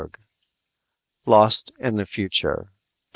_ lost in the future _by